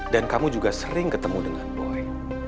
kamu juga sering ketemu dengan boy